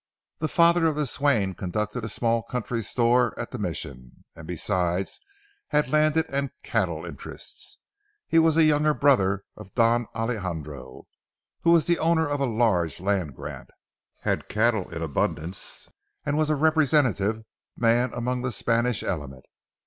The father of the swain conducted a small country store at the Mission, and besides had landed and cattle interests. He was a younger brother of Don Alejandro, who was the owner of a large land grant, had cattle in abundance, and was a representative man among the Spanish element.